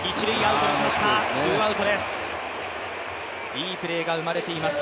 いいプレーが生まれています。